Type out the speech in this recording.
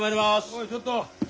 ・おいちょっと！